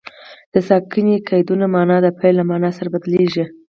د ساکني قیدونو مانا د فعل له مانا سره بدلیږي.